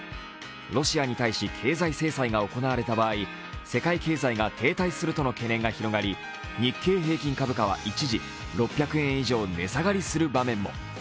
ロシアに対し、経済制裁が行われた場合、世界経済が停滞するとの懸念が広がり日経平均株価は一時、６００円以上値下がりする場面も。